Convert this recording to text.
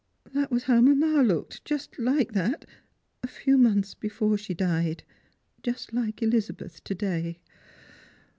That was how mamma looked, just like that, a few months before she died. Just like Elizabeth, to day.